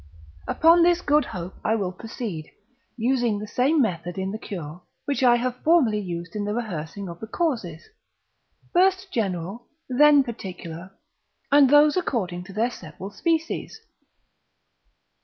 Upon this good hope I will proceed, using the same method in the cure, which I have formerly used in the rehearsing of the causes; first general, then particular; and those according to their several species.